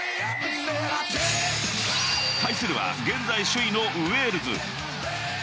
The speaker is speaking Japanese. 対するは現在首位のウェールズ。